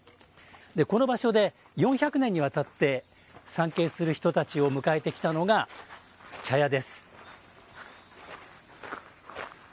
この場所で４００年にわたって参詣する人たちを迎えてきたのが茶屋です。